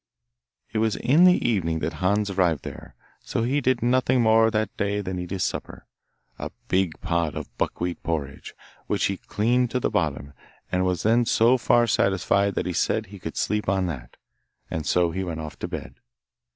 It was in the evening that Hans arrived there, so he did nothing more that day than eat his supper a big pot of buck wheat porridge, which he cleaned to the bottom and was then so far satisfied that he said he could sleep on that, so he went off to bed.